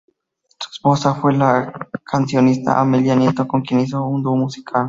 Su esposa fue la cancionista Amelia Nieto con quien hizo un dúo musical.